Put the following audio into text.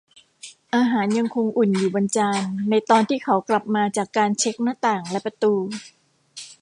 อาหารยังคงอุ่นอยู่บนจานในตอนที่เขากลับมาจากการเช็คหน้าต่างและประตู